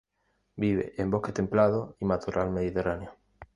Vive en bosques templados y matorral mediterráneo.